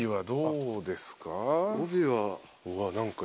どうですか？